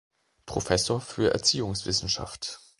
Professor für Erziehungswissenschaft.